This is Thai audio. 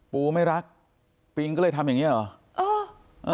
ปูไม่รักปิงก็เลยทำอย่างนี้หรอ